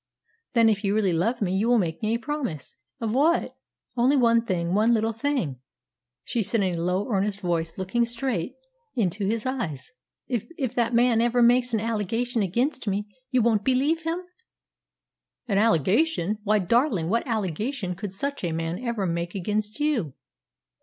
"Then, if you really love me, you will make me a promise." "Of what?" "Only one thing one little thing," she said in a low, earnest voice, looking straight into his eyes. "If if that man ever makes an allegation against me, you won't believe him?" "An allegation! Why, darling, what allegation could such a man ever make against you?"